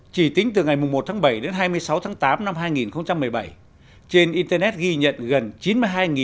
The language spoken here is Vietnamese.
chỉ tính từ ngày một tháng bảy đến hai mươi sáu tháng tám năm hai nghìn một mươi bảy trên internet ghi nhận gần chín mươi hai năm trăm linh lượt tương tác liên quan hành vi mua bán vũ khí